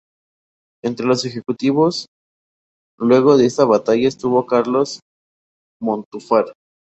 Entre los ejecutados luego de esa batalla estuvo Carlos Montúfar.